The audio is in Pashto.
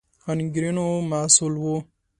انګېرنو محصول وو